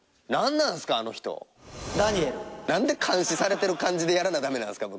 なんで監視されてる感じでやらなダメなんですか僕。